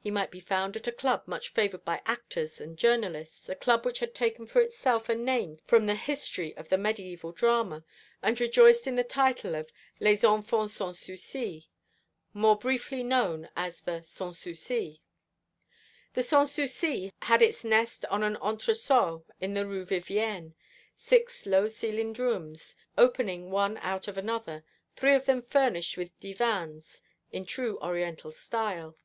He might be found at a club much favoured by actors and journalists, a club which had taken for itself a name from the history of the mediæval drama, and rejoiced in the title of Les Enfants Sans Souci, more briefly known as the Sans Souci. The Sans Souci had its nest on an entresol in the Rue Vivienne, six low ceiled rooms opening one out of another, three of them furnished with divans in true Oriental style.